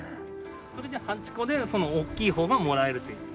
それで８個でそのおっきい方がもらえるという。